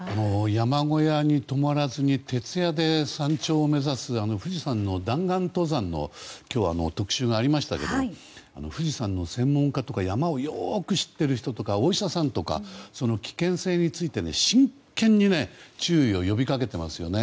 山小屋に泊まらずに徹夜で山頂を目指す富士山の弾丸登山の今日は特集がありましたが富士山の専門家とか山をよく知っている人とかお医者さんとか、危険性について真剣に注意を呼び掛けていますよね。